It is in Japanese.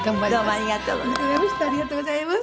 ありがとうございます。